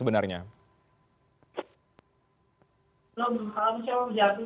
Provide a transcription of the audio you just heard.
atau apa yang terjadi